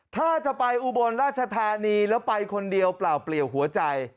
ถ้าจะไปอุบลราชธานีแล้วไปคนเดียวเปล่าเปลี่ยวหัวใจ